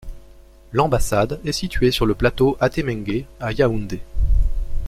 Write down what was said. L'ambassade est située sur le Plateau Atémengué à Yaoundé.